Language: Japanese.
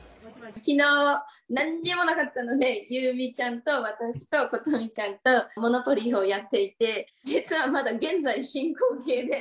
きのう、なんにもなかったので、夕湖ちゃんと私と琴美ちゃんと、モノポリーをやっていて、実はまだ現在進行形で。